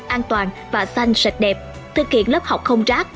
an toàn và xanh sạch đẹp thực hiện lớp học không rác